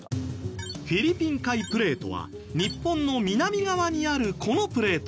フィリピン海プレートは日本の南側にあるこのプレート。